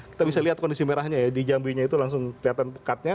kita bisa lihat kondisi merahnya ya di jambinya itu langsung kelihatan pekatnya